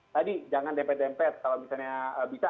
tadi jangan dempet dempet kalau misalnya bisa